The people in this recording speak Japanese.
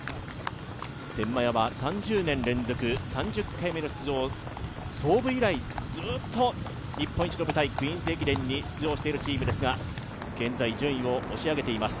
天満屋は３０年連続３０回目の出場を創部以来ずっと日本一の舞台、「クイーンズ駅伝」に出場しているチームですが、現在、順位を押し上げています。